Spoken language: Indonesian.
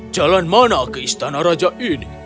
jalan mana ke istana raja ini